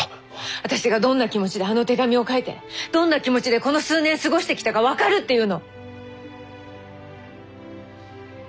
私がどんな気持ちであの手紙を書いてどんな気持ちでこの数年過ごしてきたか分かるっていうの？